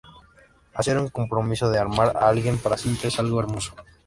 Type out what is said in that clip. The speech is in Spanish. Hacer un compromiso de amar a alguien para siempre es algo hermoso.